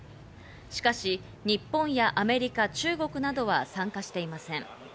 しかし、日本やアメリカ、中国などは参加していません。